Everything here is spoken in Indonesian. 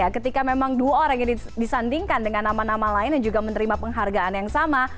ketika memang dua orang ini disandingkan dengan nama nama lain yang juga menerima penghargaan yang sama